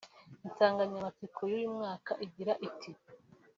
Insanganyamatsiko y’uyu mwaka igira iti